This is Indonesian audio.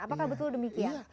apakah betul demikian